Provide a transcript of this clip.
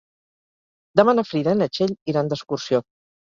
Demà na Frida i na Txell iran d'excursió.